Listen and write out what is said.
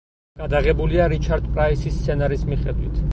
გადაღებულია რიჩარდ პრაისის სცენარის მიხედვით.